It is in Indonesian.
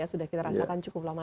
sudah kita rasakan cukup lama